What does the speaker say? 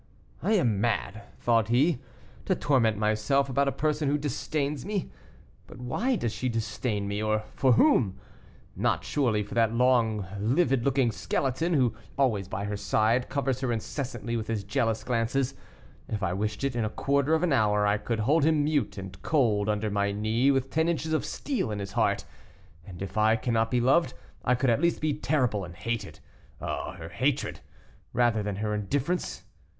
"I am mad," thought he, "to torment myself about a person who disdains me. But why does she disdain me, or for whom? Not, surely, for that long, livid looking skeleton, who, always by her side, covers her incessantly with his jealous glances. If I wished it, in a quarter of an hour I could hold him mute and cold under my knee with ten inches of steel in his heart, and if I cannot be loved, I could at least be terrible and hated. Oh, her hatred! Rather than her indifference.